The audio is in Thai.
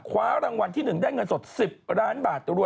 คว้ารางวัลที่๑ได้เงินสด๑๐ล้านบาท